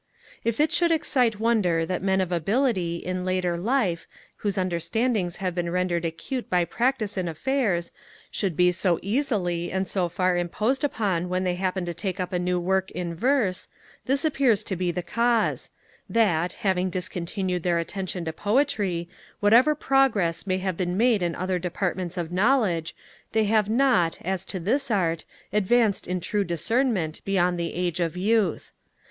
If it should excite wonder that men of ability, in later life, whose understandings have been rendered acute by practice in affairs, should be so easily and so far imposed upon when they happen to take up a new work in verse, this appears to be the cause; that, having discontinued their attention to poetry, whatever progress may have been made in other departments of knowledge, they have not, as to this art, advanced in true discernment beyond the age of youth.